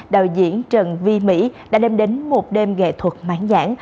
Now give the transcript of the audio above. đạo diễn trần vy mỹ đã đem đến một đêm nghệ thuật mãn giản